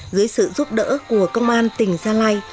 dưới sự giúp đỡ của công an tỉnh gia lai